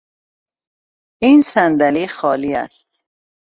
این صندلی خالی است.